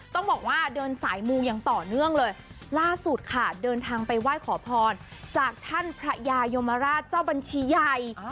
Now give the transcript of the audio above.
ต้องบอกว่าเดินสายมูอย่างต่อเนื่องเลยล่าสุดค่ะเดินทางไปไหว้ขอพรจากท่านพระยายมราชเจ้าบัญชีใหญ่